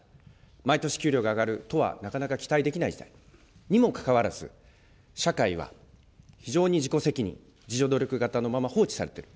毎年給料が上がるとはなかなか期待できない時代にもかかわらず、社会は非常に自己責任、自助努力型のまま放置されている。